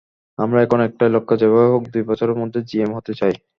আমার এখন একটাই লক্ষ্য—যেভাবেই হোক দুই বছরের মধ্যে জিএম হতে চাই।